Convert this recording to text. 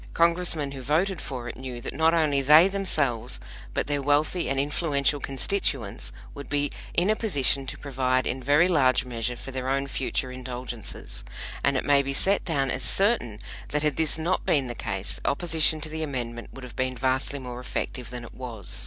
Congressmen who voted for it knew that not only they themselves, but their wealthy and influential constituents, would be in a position to provide in very large measure for their own future indulgences; and it may be set down as certain that had this not been the case, opposition to the Amendment would have been vastly more effective than it was.